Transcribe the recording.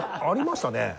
ありましたね。